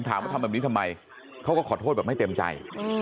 ถามว่าทำแบบนี้ทำไมเขาก็ขอโทษแบบไม่เต็มใจ